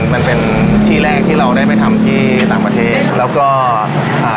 มันเป็นที่แรกที่เราได้ไปทำที่ต่างประเทศแล้วก็อ่า